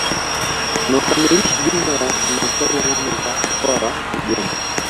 inayokamilisha jumla ya halmashauri nane za mkoa wa Kigoma